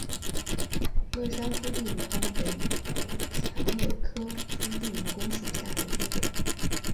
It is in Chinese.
乐山铺地蜈蚣为蔷薇科铺地蜈蚣属下的一个种。